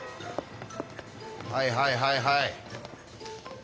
はいはいはいはい。